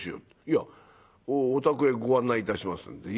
「いやお宅へご案内いたしますんで」。